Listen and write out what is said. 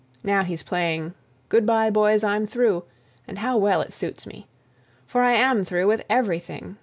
Now he's playing "Good by, Boys, I'm Through," and how well it suits me. For I am through with everything.